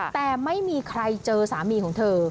แต่ไม่มีใครเจอสามีของเธอ